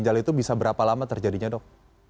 gejala itu bisa berapa lama terjadinya dok